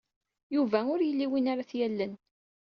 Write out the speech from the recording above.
Yuba ur ili win ara t-yallen.